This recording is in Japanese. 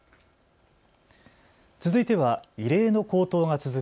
続いては異例の高騰が続く